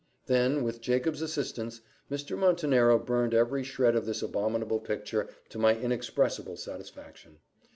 Then, with Jacob's assistance, Mr. Montenero burned every shred of this abominable picture, to my inexpressible satisfaction.